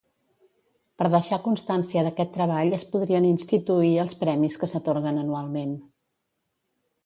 Per deixar constància d'aquest treball es podrien instituir els premis que s'atorguen anualment.